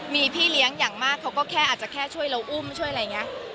มีพี่เลี้ยงอย่างมากเขาก็แค่อาจจะแค่ช่วยเราอุ้มช่วยอะไรอย่างนี้